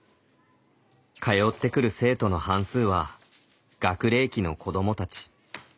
通ってくる生徒の半数は学齢期の子どもたち。